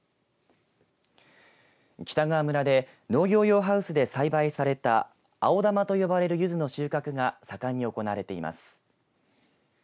北川村で農業用ハウスで栽培された青玉と呼ばれるユズの収穫が盛んに行われています。